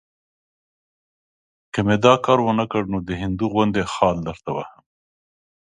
که مې دا کار ونه کړ، نو د هندو غوندې خال درته وهم.